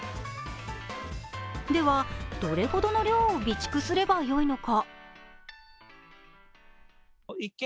ではどれほどの量を備蓄すればよいのか？